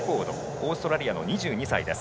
オーストラリアの２２歳です。